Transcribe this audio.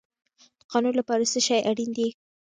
د قانون لپاره څه شی اړین دی؟